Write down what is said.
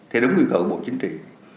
theo đúng nguy cầu của bộ chính trị